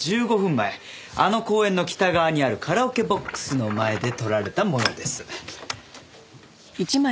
前あの公園の北側にあるカラオケボックスの前で撮られたものです。